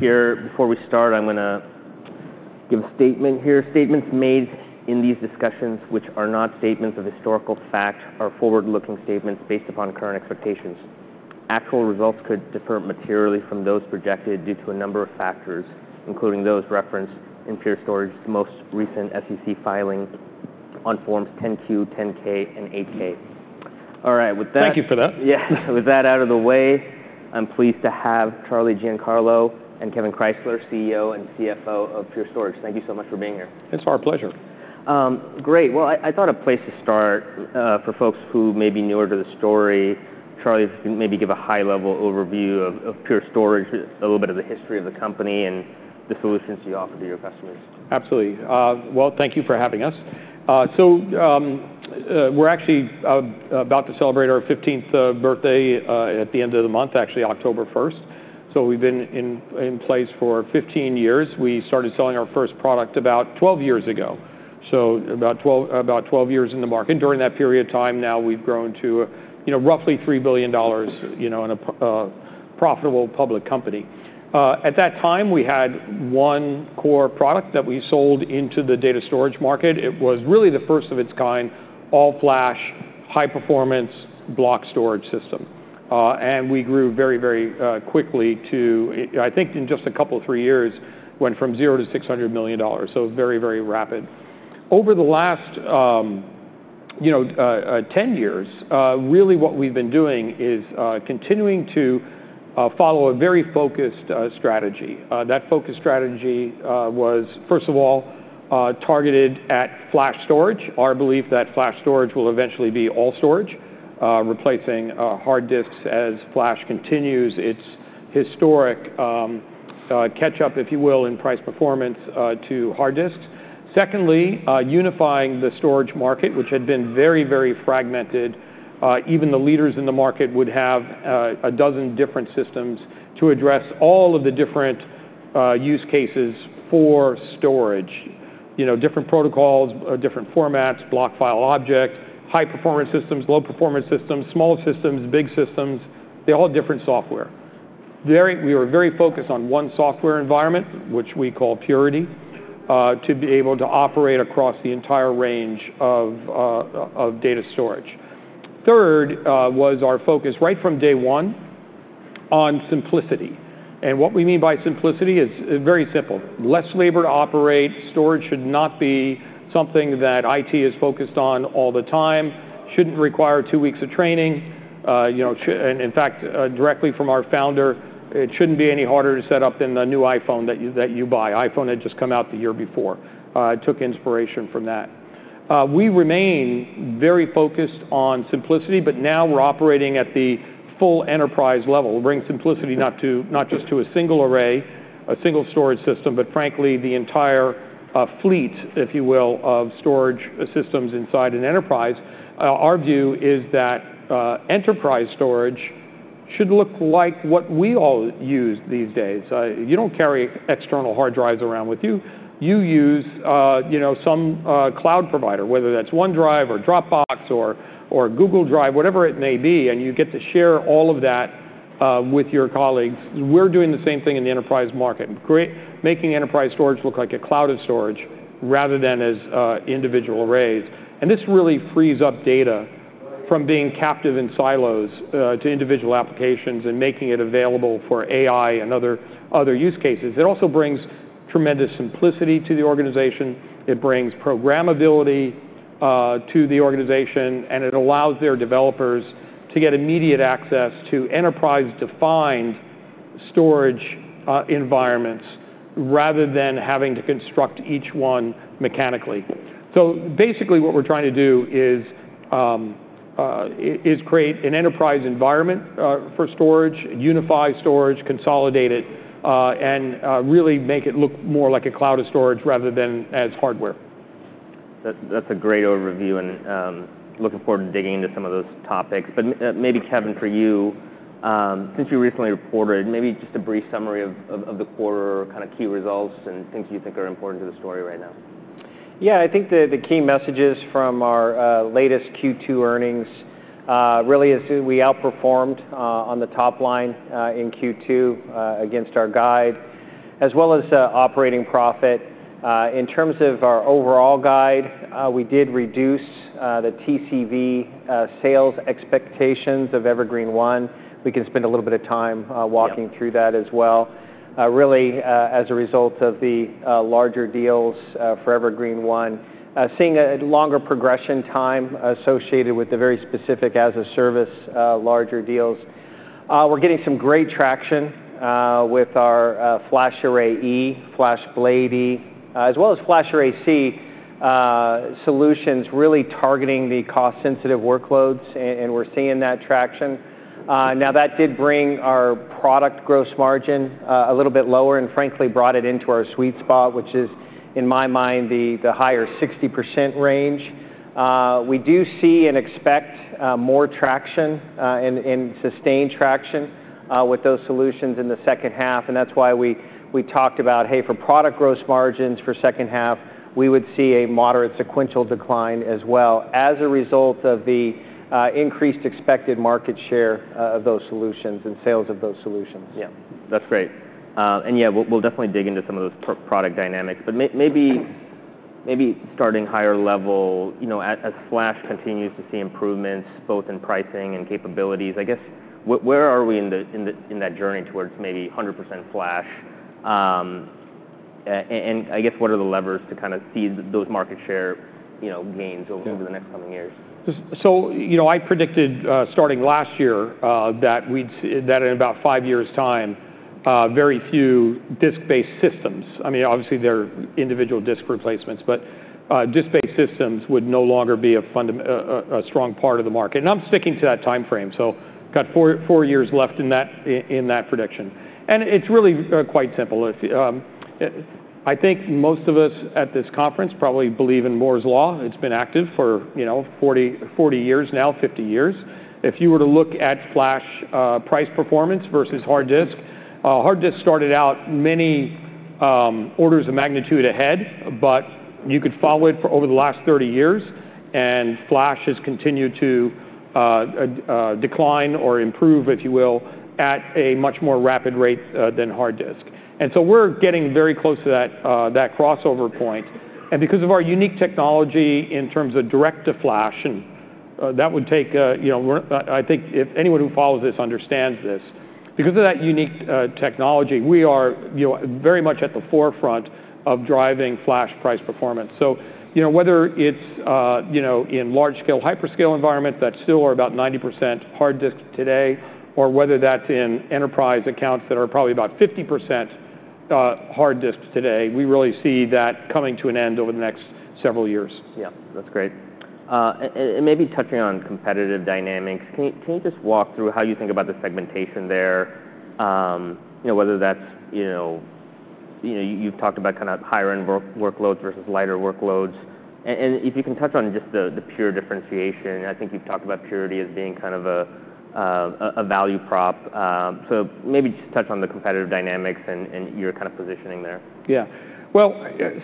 Here, before we start, I'm gonna give a statement here. Statements made in these discussions which are not statements of historical fact are forward-looking statements based upon current expectations. Actual results could differ materially from those projected due to a number of factors, including those referenced in Pure Storage's most recent SEC filings on Forms 10-Q, 10-K, and 8-K. All right, with that- Thank you for that. Yeah. With that out of the way, I'm pleased to have Charlie Giancarlo and Kevan Krysler, CEO and CFO of Pure Storage. Thank you so much for being here. It's our pleasure. Great. I thought a place to start for folks who may be newer to the story, Charles, maybe give a high-level overview of Pure Storage, a little bit of the history of the company, and the solutions you offer to your customers. Absolutely. Well, thank you for having us. So, we're actually about to celebrate our 15th birthday at the end of the month, actually October 1st. So we've been in place for 15 years. We started selling our first product about 12 years ago, so about 12 years in the market. And during that period of time, now we've grown to, you know, roughly $3 billion, you know, and a profitable public company. At that time, we had one core product that we sold into the data storage market. It was really the first of its kind, all-flash, high-performance block storage system. And we grew very quickly to, I think in just a couple, three years, went from zero to $600 million, so very rapid. Over the last, you know, 10 years, really what we've been doing is continuing to follow a very focused strategy. That focused strategy was, first of all, targeted at flash storage. Our belief that flash storage will eventually be all storage, replacing hard disks as flash continues its historic catch-up, if you will, in price performance to hard disks. Secondly, unifying the storage market, which had been very, very fragmented. Even the leaders in the market would have a dozen different systems to address all of the different use cases for storage. You know, different protocols, different formats, block, file, object, high-performance systems, low-performance systems, small systems, big systems. They all have different software. We are very focused on one software environment, which we call Purity, to be able to operate across the entire range of data storage. Third was our focus, right from day one, on simplicity, and what we mean by simplicity is very simple, less labor to operate. Storage should not be something that IT is focused on all the time, shouldn't require two weeks of training. You know, and in fact, directly from our founder, it shouldn't be any harder to set up than the new iPhone that you buy. iPhone had just come out the year before, took inspiration from that. We remain very focused on simplicity, but now we're operating at the full enterprise level, bringing simplicity not to, not just to a single array, a single storage system, but frankly, the entire fleet, if you will, of storage systems inside an enterprise. Our view is that enterprise storage should look like what we all use these days. You don't carry external hard drives around with you. You use, you know, some cloud provider, whether that's OneDrive or Dropbox or Google Drive, whatever it may be, and you get to share all of that with your colleagues. We're doing the same thing in the enterprise market, making enterprise storage look like a cloud of storage rather than as individual arrays. And this really frees up data from being captive in silos to individual applications and making it available for AI and other use cases. It also brings tremendous simplicity to the organization. It brings programmability to the organization, and it allows their developers to get immediate access to enterprise-defined storage environments, rather than having to construct each one mechanically. So basically, what we're trying to do is create an enterprise environment for storage, unify storage, consolidate it, and really make it look more like a cloud of storage rather than as hardware. That's, that's a great overview, and looking forward to digging into some of those topics. But, maybe Kevan, for you, since you recently reported, maybe just a brief summary of the quarter, kind of key results and things you think are important to the story right now. Yeah, I think the key messages from our latest Q2 earnings really is we outperformed on the top line in Q2 against our guide, as well as operating profit. In terms of our overall guide, we did reduce the TCV sales expectations of Evergreen//One. We can spend a little bit of time walking- Yeah... through that as well. Really, as a result of the larger deals for Evergreen//One, seeing a longer progression time associated with the very specific as-a-service larger deals. We're getting some great traction with our FlashArray//E, FlashBlade//E, as well as FlashArray//C solutions, really targeting the cost-sensitive workloads, and we're seeing that traction. Now, that did bring our product gross margin a little bit lower, and frankly, brought it into our sweet spot, which is, in my mind, the higher 60% range. We do see and expect more traction and sustained traction with those solutions in the second half, and that's why we talked about, hey, for product gross margins for second half, we would see a moderate sequential decline as well, as a result of the increased expected market share of those solutions and sales of those solutions. Yeah, that's great. And yeah, we'll definitely dig into some of those product dynamics. But maybe starting higher level, you know, as Flash continues to see improvements both in pricing and capabilities, I guess, where are we in that journey towards maybe 100% Flash? And I guess what are the levers to kind of see those market share, you know, gains- Yeah Over the next coming years? So, you know, I predicted, starting last year, that in about five years' time, very few disk-based systems, I mean, obviously, there are individual disk replacements, but, disk-based systems would no longer be a strong part of the market, and I'm sticking to that timeframe, so got four years left in that prediction, and it's really quite simple. I think most of us at this conference probably believe in Moore's Law. It's been active for, you know, 40 years now, 50 years. If you were to look at flash price performance versus hard disk, hard disk started out many orders of magnitude ahead, but you could follow it for over the last 30years, and flash has continued to decline or improve, if you will, at a much more rapid rate than hard disk. And so we're getting very close to that crossover point. And because of our unique technology in terms of direct to flash, and I think if anyone who follows this understands this. Because of that unique technology, we are, you know, very much at the forefront of driving flash price performance. So, you know, whether it's in large-scale, hyperscale environment that still are about 90% hard disk today, or whether that's in enterprise accounts that are probably about 50% hard disks today, we really see that coming to an end over the next several years. Yeah, that's great. And maybe touching on competitive dynamics, can you just walk through how you think about the segmentation there? You know, you've talked about kind of higher-end workloads vs lighter workloads. And if you can touch on just the Pure differentiation, I think you've talked about Purity as being kind of a value prop. So maybe just touch on the competitive dynamics and your kind of positioning there. Yeah, well,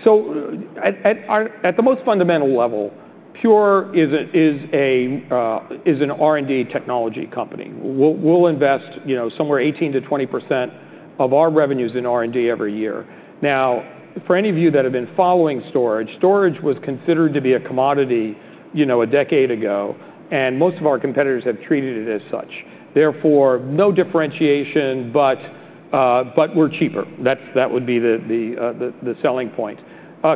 so at the most fundamental level, Pure is an R&D technology company. We'll invest, you know, somewhere 18%-20% of our revenues in R&D every year. Now, for any of you that have been following storage, it was considered to be a commodity, you know, a decade ago, and most of our competitors have treated it as such. Therefore, no differentiation, but we're cheaper. That would be the selling point.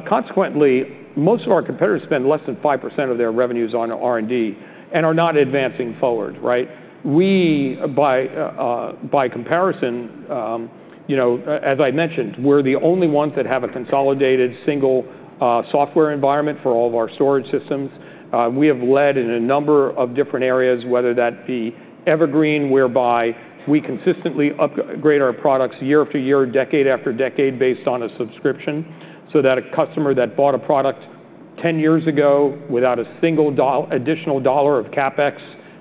Consequently, most of our competitors spend less than 5% of their revenues on R&D and are not advancing forward, right? We, by comparison, you know, as I mentioned, we're the only ones that have a consolidated single software environment for all of our storage systems. We have led in a number of different areas, whether that be Evergreen, whereby we consistently upgrade our products year after year, decade after decade, based on a subscription, so that a customer that bought a product 10 years ago, without a single additional dollar of CapEx,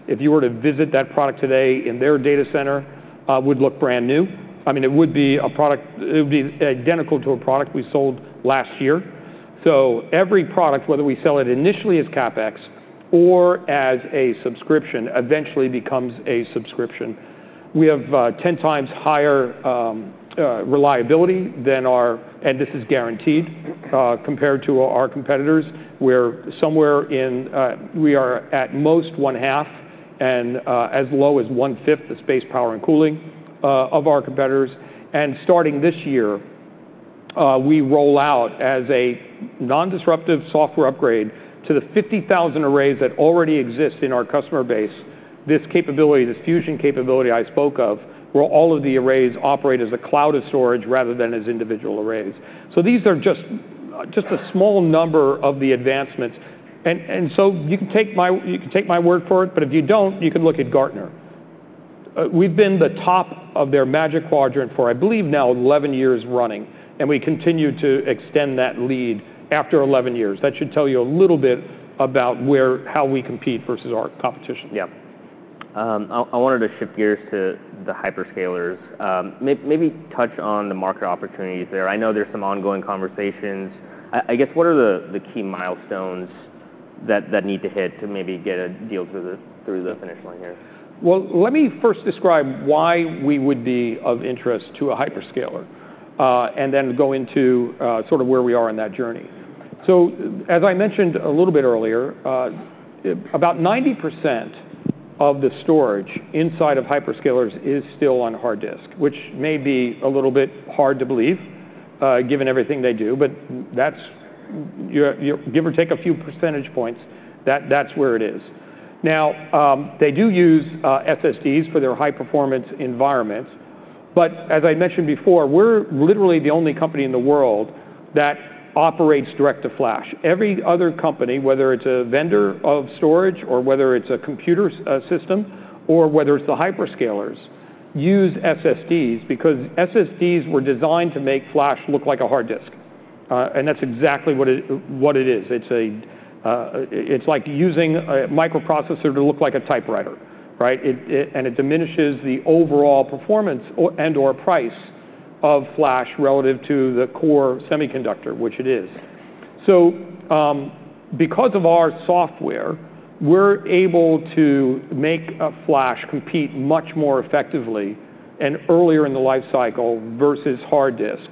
if you were to visit that product today in their data center, would look brand new. I mean, it would be identical to a product we sold last year. So every product, whether we sell it initially as CapEx or as a subscription, eventually becomes a subscription. We have 10x higher reliability than our... This is guaranteed compared to our competitors. We're somewhere in, we are at most one half and, as low as 1/5 the space, power, and cooling of our competitors. And starting this year, we roll out as a non-disruptive software upgrade to the 50,000 arrays that already exist in our customer base, this capability, this fusion capability I spoke of, where all of the arrays operate as a cloud of storage rather than as individual arrays. So these are just a small number of the advancements. And so you can take my word for it, but if you don't, you can look at Gartner. We've been the top of their Magic Quadrant for, I believe now, 11 years running, and we continue to extend that lead after 11 years. That should tell you a little bit about how we compete vs our competition. Yeah. I wanted to shift gears to the hyperscalers. Maybe touch on the market opportunities there. I know there's some ongoing conversations. I guess, what are the key milestones that need to hit to maybe get a deal through the finish line here? Let me first describe why we would be of interest to a hyperscaler, and then go into, sort of where we are in that journey. As I mentioned a little bit earlier, about 90% of the storage inside of hyperscalers is still on hard disk, which may be a little bit hard to believe, given everything they do, but that's, yeah, give or take a few % points, that, that's where it is. Now, they do use SSDs for their high-performance environments, but as I mentioned before, we're literally the only company in the world that operates direct to flash. Every other company, whether it's a vendor of storage, or whether it's a computer system, or whether it's the hyperscalers, use SSDs because SSDs were designed to make flash look like a hard disk. And that's exactly what it is. It's a, it's like using a microprocessor to look like a typewriter, right? And it diminishes the overall performance or, and/or price of flash relative to the core semiconductor, which it is. So, because of our software, we're able to make a flash compete much more effectively and earlier in the life cycle vs hard disk,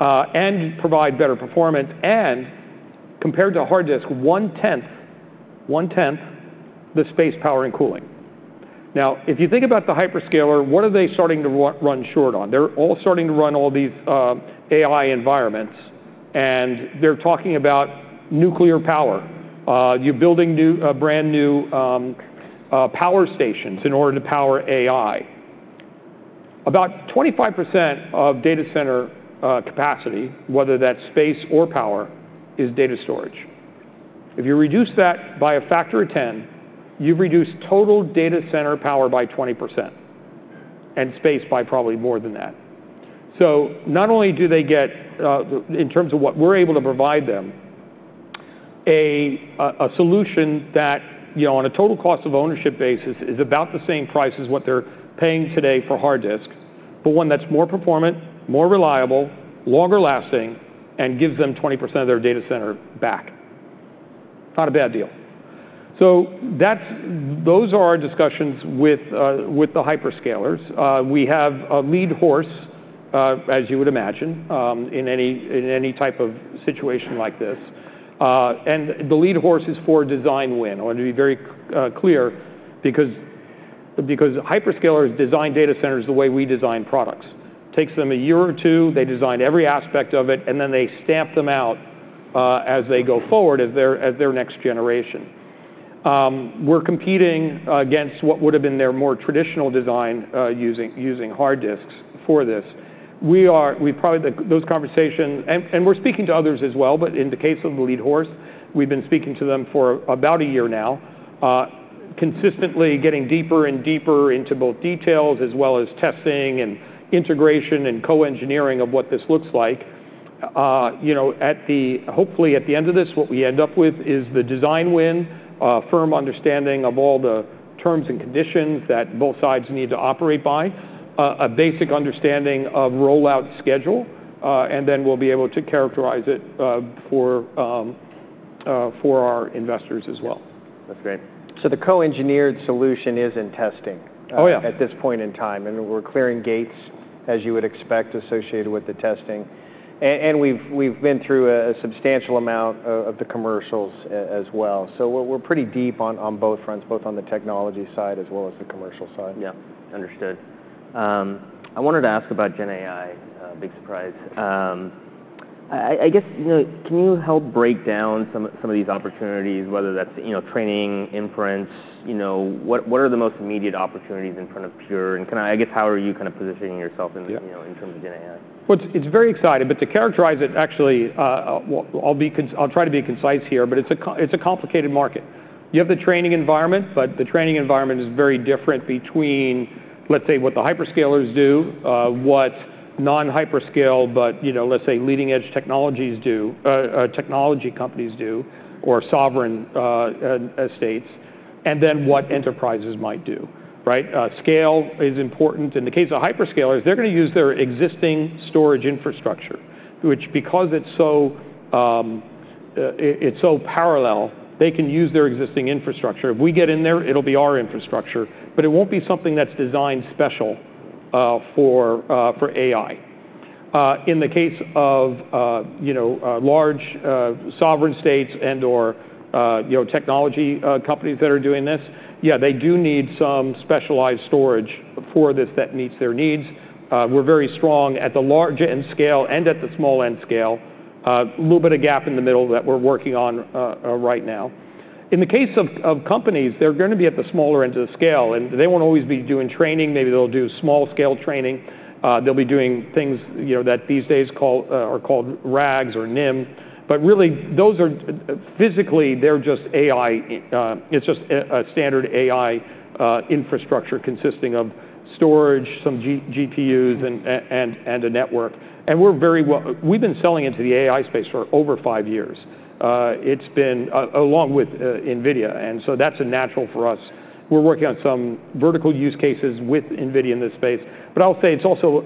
and provide better performance, and compared to hard disk, 1/10 the space, power, and cooling. Now, if you think about the hyperscaler, what are they starting to run short on? They're all starting to run all these AI environments, and they're talking about nuclear power. You're building new, brand-new power stations in order to power AI. About 25% of data center capacity, whether that's space or power, is data storage. If you reduce that by a factor of ten, you've reduced total data center power by 20%, and space by probably more than that. Not only do they get in terms of what we're able to provide them a solution that you know on a total cost of ownership basis is about the same price as what they're paying today for hard disk, but one that's more performant, more reliable, longer lasting, and gives them 20% of their data center back. Not a bad deal. Those are our discussions with the hyperscalers. We have a lead horse as you would imagine in any type of situation like this. The lead horse is for design win. I want to be very clear because hyperscalers design data centers the way we design products. Takes them a year or two. They design every aspect of it, and then they stamp them out as they go forward as their next generation. We're competing against what would've been their more traditional design using hard disks for this. We probably those conversations and we're speaking to others as well, but in the case of the lead horse, we've been speaking to them for about a year now, consistently getting deeper and deeper into both details as well as testing and integration and co-engineering of what this looks like. You know, hopefully, at the end of this, what we end up with is the design win, a firm understanding of all the terms and conditions that both sides need to operate by, a basic understanding of rollout schedule, and then we'll be able to characterize it for our investors as well. That's great. So the co-engineered solution is in testing. Oh, yeah... at this point in time, and we're clearing gates, as you would expect, associated with the testing. And we've been through a substantial amount of the commercials as well. So we're pretty deep on both fronts, both on the technology side as well as the commercial side. Yeah, understood. I wanted to ask about Gen AI, big surprise. I guess, you know, can you help break down some of these opportunities, whether that's, you know, training, inference, you know, what are the most immediate opportunities in front of Pure? And I guess, how are you kind of positioning yourself in- Yeah... you know, in terms of Gen AI? It's very exciting, but to characterize it, actually, I'll try to be concise here, but it's a complicated market. You have the training environment, but the training environment is very different between, let's say, what the hyperscalers do, what non-hyperscale, but, you know, let's say, leading-edge technologies do, technology companies do, or sovereign states, and then what enterprises might do, right? Scale is important. In the case of hyperscalers, they're gonna use their existing storage infrastructure, which, because it's so parallel, they can use their existing infrastructure. If we get in there, it'll be our infrastructure, but it won't be something that's designed special for AI. In the case of, you know, large sovereign states and/or, you know, technology companies that are doing this, yeah, they do need some specialized storage for this that meets their needs. We're very strong at the large end scale and at the small end scale, little bit of gap in the middle that we're working on, right now. In the case of companies, they're gonna be at the smaller end of the scale, and they won't always be doing training. Maybe they'll do small-scale training. They'll be doing things, you know, that these days are called RAGs or NIM. But really, those are... physically, they're just AI, it's just a standard AI infrastructure consisting of storage, some GPUs, and a network. We've been selling into the AI space for over five years. It's been along with NVIDIA, and so that's a natural for us. We're working on some vertical use cases with NVIDIA in this space, but I'll say it's also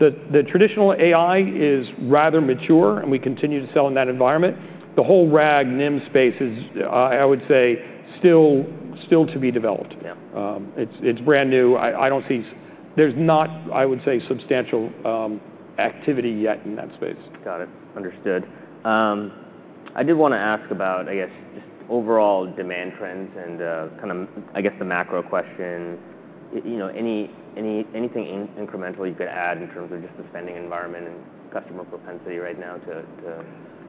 the traditional AI is rather mature, and we continue to sell in that environment. The whole RAG/NIM space is, I would say, still to be developed. Yeah. It's brand new. There's not, I would say, substantial activity yet in that space. Got it. Understood. I did wanna ask about, I guess, just overall demand trends and, kind of, I guess, the macro question. You know, anything incrementally you could add in terms of just the spending environment and customer propensity right now to,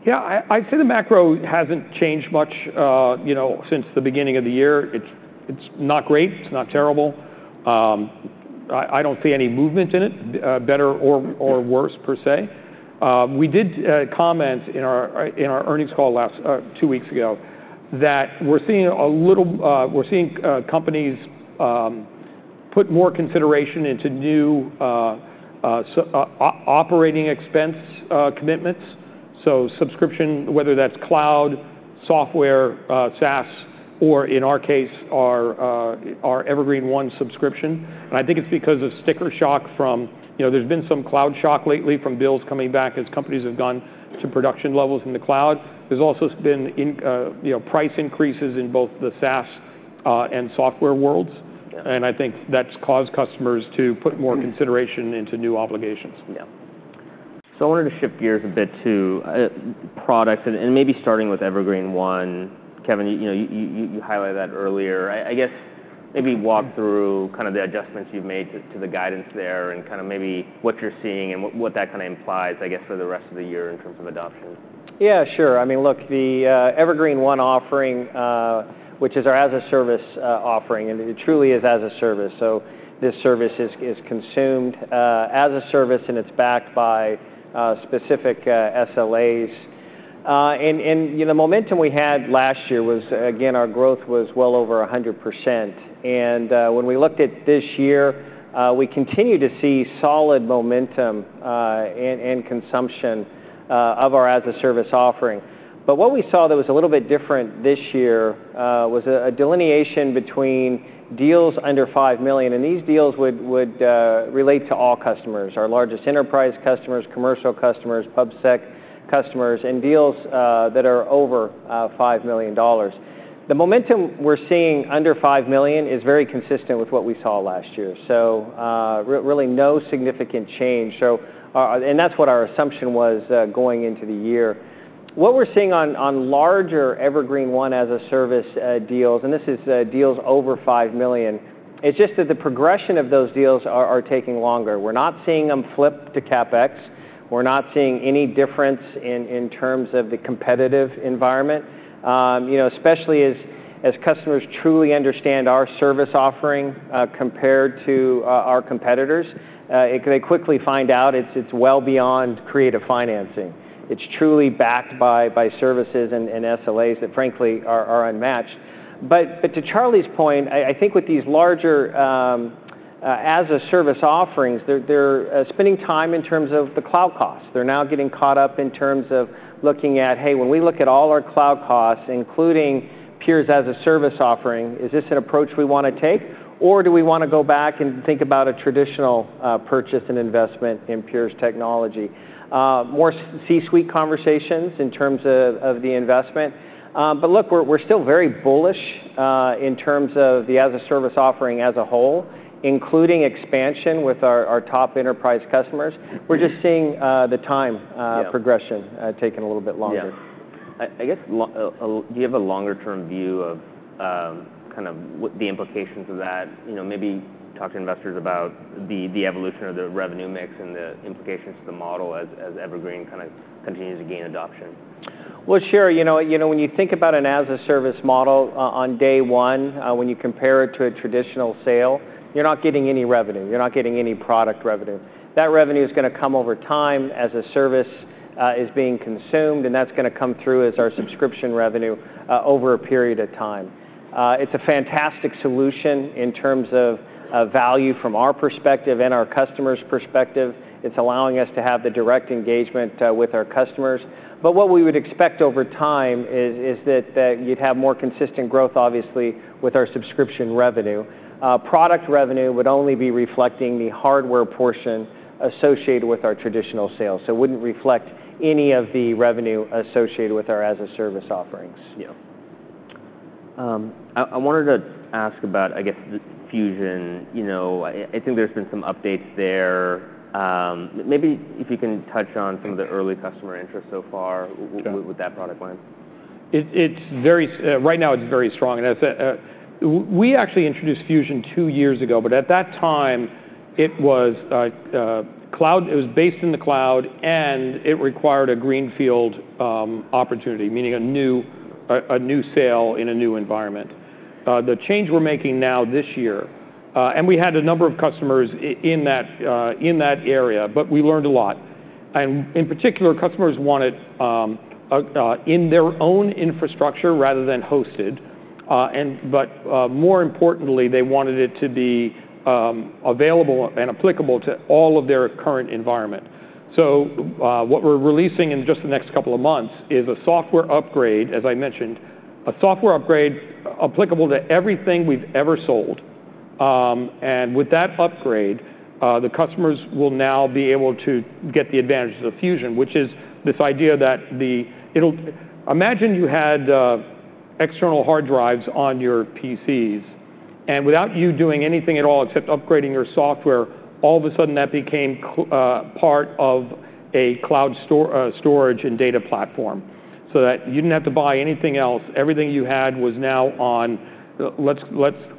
Yeah, I'd say the macro hasn't changed much, you know, since the beginning of the year. It's not great, it's not terrible. I don't see any movement in it, better or worse, per se. We did comment in our earnings call last two weeks ago, that we're seeing a little, we're seeing companies put more consideration into new operating expense commitments, so subscription, whether that's cloud, software, SaaS or in our case, our Evergreen//One subscription. And I think it's because of sticker shock from, you know, there's been some cloud shock lately from bills coming back as companies have gone to production levels in the cloud. There's also been, you know, price increases in both the SaaS and software worlds. Yeah. And I think that's caused customers to put more- Mm Consideration into new obligations. Yeah, so I wanted to shift gears a bit to products and maybe starting with Evergreen//One. Kevan, you know, you highlighted that earlier. I guess maybe walk through kind of the adjustments you've made to the guidance there and kind of maybe what you're seeing and what that kind of implies, I guess, for the rest of the year in terms of adoption. Yeah, sure. I mean, look, the Evergreen//One offering, which is our as-a-service offering, and it truly is as-a-service. So this service is consumed as-a-service, and it's backed by specific SLAs. You know, the momentum we had last year was, again, our growth was well over 100%. When we looked at this year, we continue to see solid momentum, and consumption of our as-a-service offering. But what we saw that was a little bit different this year was a delineation between deals under $5 million, and these deals would relate to all customers, our largest enterprise customers, commercial customers, PubSec customers, and deals that are over $5 million. The momentum we're seeing under five million is very consistent with what we saw last year, so really no significant change. That's what our assumption was going into the year. What we're seeing on larger Evergreen//One as-a-service deals, and this is deals over five million, it's just that the progression of those deals are taking longer. We're not seeing them flip to CapEx. We're not seeing any difference in terms of the competitive environment. You know, especially as customers truly understand our service offering compared to our competitors, they quickly find out it's well beyond creative financing. It's truly backed by services and SLAs that frankly are unmatched. But to Charlie's point, I think with these larger as-a-service offerings, they're spending time in terms of the cloud cost. They're now getting caught up in terms of looking at, "Hey, when we look at all our cloud costs, including Pure's as-a-service offering, is this an approach we want to take, or do we want to go back and think about a traditional purchase and investment in Pure's technology?" More C-suite conversations in terms of the investment. But look, we're still very bullish in terms of the as-a-service offering as a whole, including expansion with our top enterprise customers. We're just seeing the time- Yeah... progression, taking a little bit longer. Yeah. I guess, do you have a longer-term view of kind of what the implications of that? You know, maybe talk to investors about the evolution of the revenue mix and the implications to the model as Evergreen kind of continues to gain adoption. Well, sure. You know, when you think about an as-a-service model on day one, when you compare it to a traditional sale, you're not getting any revenue. You're not getting any product revenue. That revenue is going to come over time as a service is being consumed, and that's going to come through as our subscription revenue over a period of time. It's a fantastic solution in terms of value from our perspective and our customers' perspective. It's allowing us to have the direct engagement with our customers. But what we would expect over time is that you'd have more consistent growth, obviously, with our subscription revenue. Product revenue would only be reflecting the hardware portion associated with our traditional sales. So it wouldn't reflect any of the revenue associated with our as-a-service offerings. Yeah. I wanted to ask about, I guess, Fusion. You know, I think there's been some updates there. Maybe if you can touch on some of the early customer interest so far- Sure... with that product line. Right now, it's very strong, and we actually introduced Fusion two years ago, but at that time, it was cloud. It was based in the cloud, and it required a greenfield opportunity, meaning a new sale in a new environment. The change we're making now this year, and we had a number of customers in that area, but we learned a lot. In particular, customers wanted in their own infrastructure rather than hosted, but more importantly, they wanted it to be available and applicable to all of their current environment. So, what we're releasing in just the next couple of months is a software upgrade, as I mentioned, a software upgrade applicable to everything we've ever sold. With that upgrade, the customers will now be able to get the advantages of Fusion, which is this idea. Imagine you had external hard drives on your PCs, and without you doing anything at all, except upgrading your software, all of a sudden, that became part of a cloud storage and data platform, so that you didn't have to buy anything else. Everything you had was now on, let's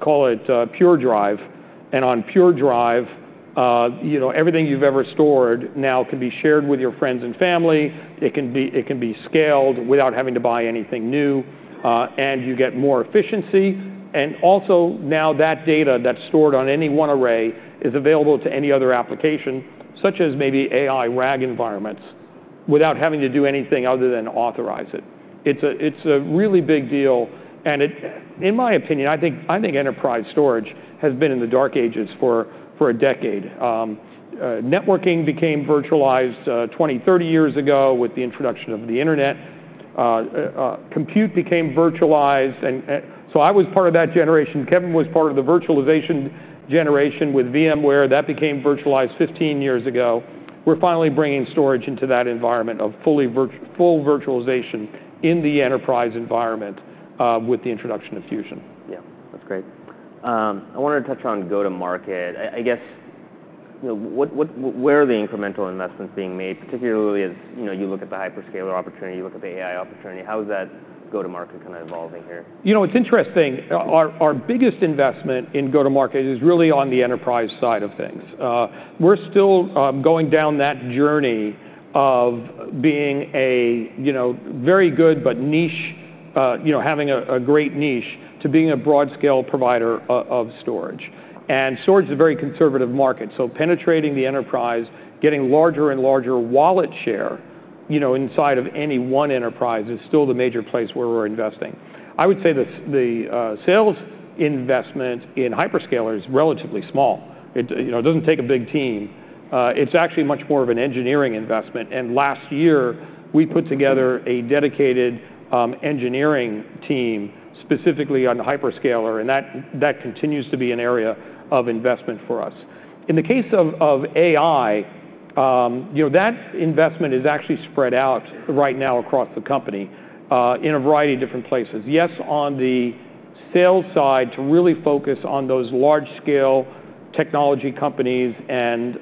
call it, Pure Drive. On Pure Drive, you know, everything you've ever stored now can be shared with your friends and family. It can be scaled without having to buy anything new, and you get more efficiency. And also, now that data that's stored on any one array is available to any other application, such as maybe AI RAG environments, without having to do anything other than authorize it. It's a really big deal, and it, in my opinion, I think enterprise storage has been in the dark ages for a decade. Networking became virtualized 20, 30 years ago with the introduction of the Internet. Compute became virtualized, and so I was part of that generation. Kevan was part of the virtualization generation with VMware. That became virtualized 15 years ago. We're finally bringing storage into that environment of full virtualization in the enterprise environment, with the introduction of Fusion. Yeah, that's great. I wanted to touch on go-to-market. I guess, you know, what, where are the incremental investments being made, particularly as, you know, you look at the hyperscaler opportunity, you look at the AI opportunity? How is that go-to-market kind of evolving here? You know, it's interesting, our biggest investment in go-to-market is really on the enterprise side of things. We're still going down that journey of being a, you know, very good but niche, you know, having a great niche, to being a broad-scale provider of storage. And storage is a very conservative market, so penetrating the enterprise, getting larger and larger wallet share, you know, inside of any one enterprise is still the major place where we're investing. I would say the sales investment in hyperscaler is relatively small. It, you know, it doesn't take a big team. It's actually much more of an engineering investment, and last year, we put together a dedicated engineering team specifically on hyperscaler, and that continues to be an area of investment for us. In the case of AI, you know, that investment is actually spread out right now across the company in a variety of different places. Yes, on the sales side, to really focus on those large-scale technology companies and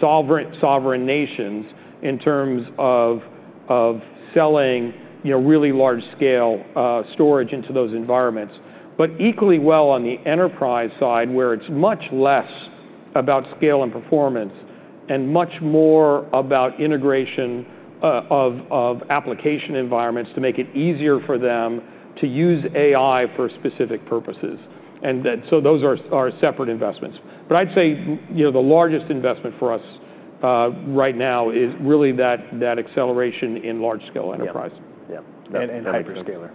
sovereign nations in terms of selling, you know, really large-scale storage into those environments. But equally well on the enterprise side, where it's much less about scale and performance and much more about integration of application environments to make it easier for them to use AI for specific purposes, and then so those are separate investments. But I'd say, you know, the largest investment for us right now is really that acceleration in large-scale enterprise- Yeah. Yeah. In hyperscaler.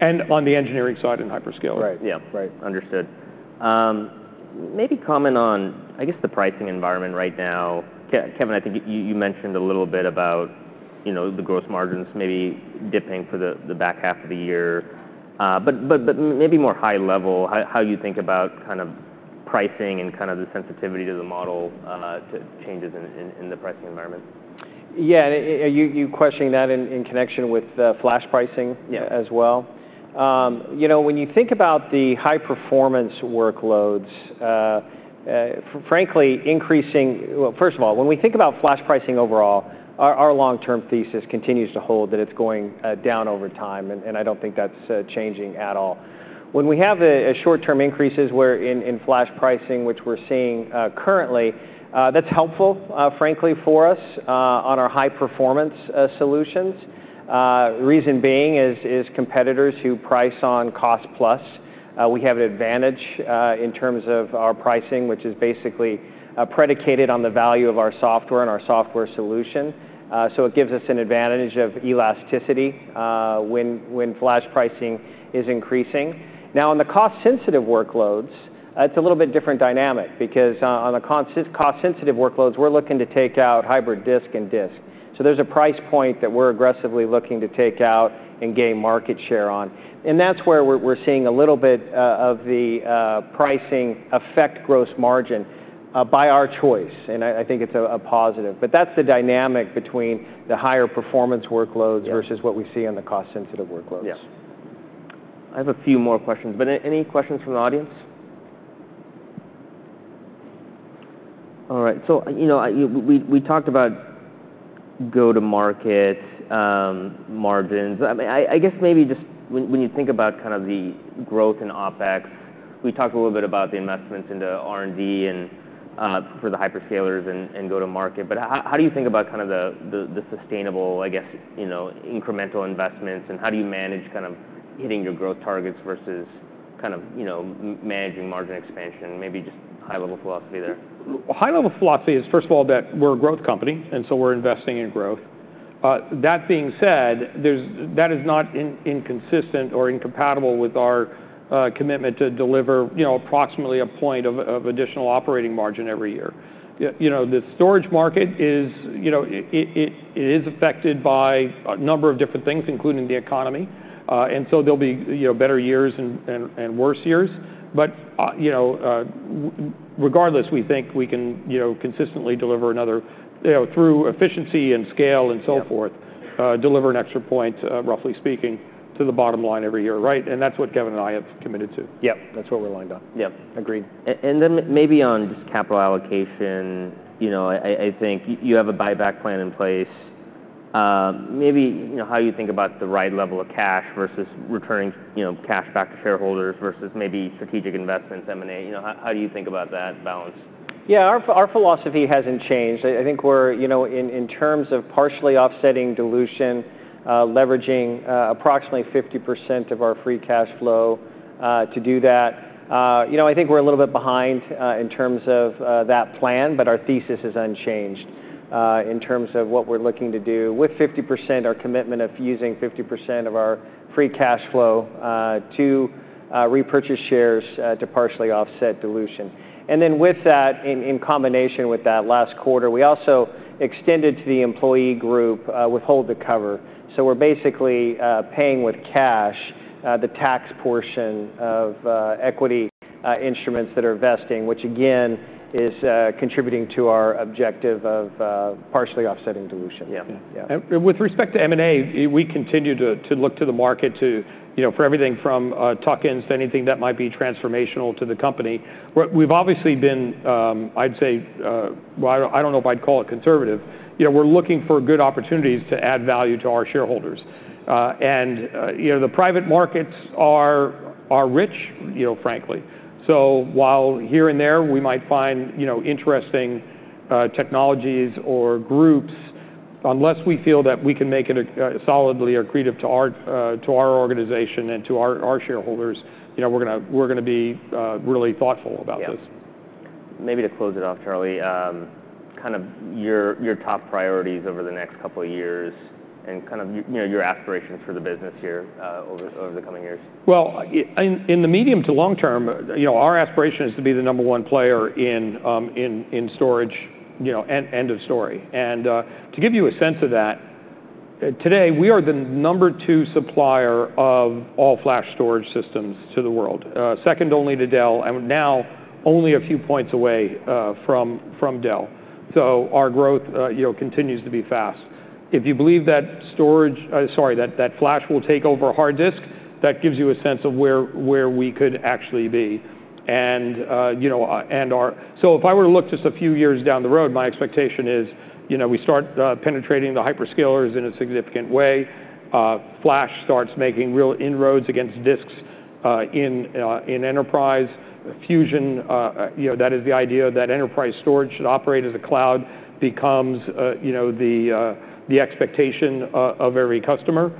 And on the engineering side in hyperscaler. Right. Yeah. Right. Understood. Maybe comment on, I guess, the pricing environment right now. Kevan, I think you mentioned a little bit about, you know, the gross margins maybe dipping for the back half of the year. But maybe more high level, how you think about kind of pricing and kind of the sensitivity to the model to changes in the pricing environment? Yeah, are you questioning that in connection with flash pricing? Yeah... as well? You know, when you think about the high-performance workloads, frankly, well, first of all, when we think about flash pricing overall, our long-term thesis continues to hold that it's going down over time, and I don't think that's changing at all. When we have a short-term increase in flash pricing, which we're seeing currently, that's helpful, frankly, for us on our high-performance solutions. Reason being is competitors who price on cost plus, we have an advantage in terms of our pricing, which is basically predicated on the value of our software and our software solution. So it gives us an advantage of elasticity when flash pricing is increasing. Now, on the cost-sensitive workloads, it's a little bit different dynamic because on the cost-sensitive workloads, we're looking to take out hybrid disk and disk. So there's a price point that we're aggressively looking to take out and gain market share on, and that's where we're seeing a little bit of the pricing affect gross margin by our choice, and I think it's a positive. But that's the dynamic between the higher performance workloads- Yeah... versus what we see on the cost-sensitive workloads. Yeah. I have a few more questions, but any questions from the audience? All right. So, you know, we talked about go-to-market, margins. I guess maybe just when you think about kind of the growth in OpEx, we talked a little bit about the investments into R&D and for the hyperscalers and go-to-market, but how do you think about kind of the sustainable, I guess, you know, incremental investments, and how do you manage kind of hitting your growth targets versus kind of, you know, managing margin expansion? Maybe just high-level philosophy there. High-level philosophy is, first of all, that we're a growth company, and so we're investing in growth. That being said, that is not inconsistent or incompatible with our commitment to deliver, you know, approximately a point of additional operating margin every year. You know, the storage market is, you know, it is affected by a number of different things, including the economy, and so there'll be, you know, better years and worse years, but you know, regardless, we think we can, you know, consistently deliver another, you know, through efficiency and scale and so forth. Yeah... deliver an extra point, roughly speaking, to the bottom line every year, right? And that's what Kevan and I have committed to. Yep. That's what we're lined up. Yep, agreed. And then maybe on just capital allocation, you know, I think you have a buyback plan in place. Maybe, you know, how you think about the right level of cash versus returning, you know, cash back to shareholders versus maybe strategic investments, M&A. You know, how do you think about that balance? Yeah, our philosophy hasn't changed. I think we're, you know, in terms of partially offsetting dilution, leveraging approximately 50% of our free cash flow to do that. You know, I think we're a little bit behind in terms of that plan, but our thesis is unchanged. In terms of what we're looking to do with 50%, our commitment of using 50% of our free cash flow to repurchase shares to partially offset dilution. And then with that, in combination with that last quarter, we also extended to the employee group withhold to cover. So we're basically paying with cash the tax portion of equity instruments that are vesting, which again is contributing to our objective of partially offsetting dilution. Yeah. Yeah. And with respect to M&A, we continue to look to the market, you know, for everything from tuck-ins to anything that might be transformational to the company. We've obviously been, I'd say, well, I don't know if I'd call it conservative. You know, we're looking for good opportunities to add value to our shareholders. And, you know, the private markets are rich, you know, frankly. So while here and there we might find, you know, interesting technologies or groups, unless we feel that we can make it a solidly accretive to our organization and to our shareholders, you know, we're gonna be really thoughtful about this. Yeah. Maybe to close it off, Charlie, kind of your top priorities over the next couple of years and kind of, you know, your aspirations for the business here over the coming years. In the medium to long term, you know, our aspiration is to be the number one player in storage, you know, end of story. To give you a sense of that, today, we are the number two supplier of all flash storage systems to the world, second only to Dell, and now only a few points away from Dell. Our growth, you know, continues to be fast. If you believe that flash will take over hard disk, that gives you a sense of where we could actually be. If I were to look just a few years down the road, my expectation is, you know, we start penetrating the hyperscalers in a significant way. Flash starts making real inroads against disks in enterprise. Fusion, you know, that is the idea that enterprise storage should operate as a cloud, becomes, you know, the expectation of every customer,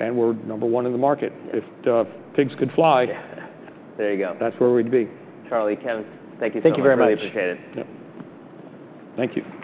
and we're number one in the market. Yeah. If pigs could fly- There you go. That's where we'd be. Charlie, Kevan, thank you so much. Thank you very much. We appreciate it. Yep. Thank you.